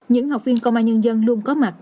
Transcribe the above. những học viên công an nhân dân luôn có mặt